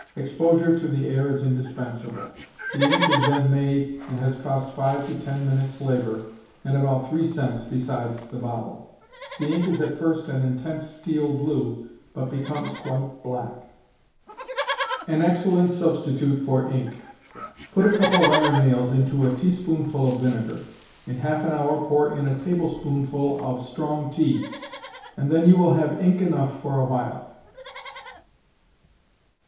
Exposure to the air is indispensable. The ink is then made, and has cost five to ten minutes' labor, and about three cents, beside the bottle. The ink is at first an intense steel blue, but becomes quite black. An Excellent Substitute for Ink. Put a couple of iron nails into a teaspoonful of vinegar. In half an hour pour in a tablespoonful of strong tea, and then you will have ink enough for a while.